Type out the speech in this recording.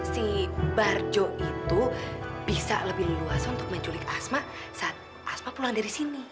si barjo itu bisa lebih leluasa untuk menculik asma saat asma pulang dari sini